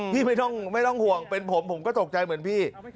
ไม่ต้องห่วงเป็นผมผมก็ตกใจเหมือนพี่